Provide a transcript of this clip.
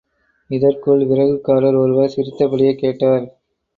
இதற்குள் விறகுக்காரர் ஒருவர் சிரித்தபடியே கேட்டார்.